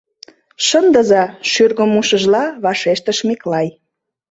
— Шындыза, — шӱргым мушшыжла, вашештыш Миклай.